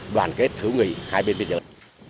đoàn kết hữu nghị hai bên biên giới